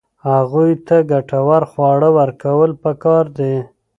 هغوی ته ګټور خواړه ورکول پکار دي.